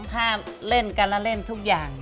ถ้าเล่นกันแล้วเล่นทุกอย่าง